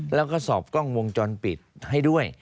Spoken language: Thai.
แล้วก็สอบกล้องวงจรปิดให้ด้วย